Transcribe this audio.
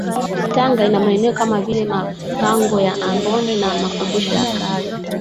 Tanga ina maeneo kama vile mapango ya Amboni na makumbusho ya kale